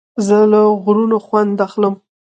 زه له غرونو خوند اخلم.